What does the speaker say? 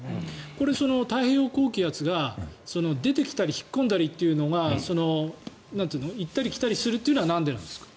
これ、太平洋高気圧が出てきたり引っ込んだりというのが行ったり来たりするのはなんでなんですか？